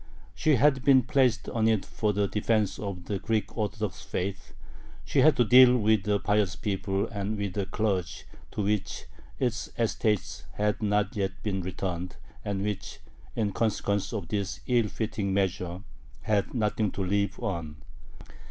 She had been placed on it for the defense of the Greek Orthodox faith; she had to deal with a pious people and with a clergy to which its estates had not yet been returned, and which, in consequence of this ill fitting measure, had nothing to live on.